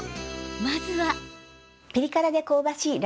まずは。